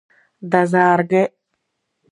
Дазааргеит…